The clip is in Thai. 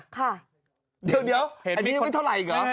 เฅี๋ยวเห็นไม่เท่าไหร่อีกเหรอ